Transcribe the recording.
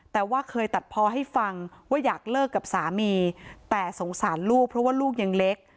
แต่ว่าเคยตัดพอให้ฟังว่าอยากเลิกกับสามีแต่สงสารลูกเพราะว่าลูกยังเล็ก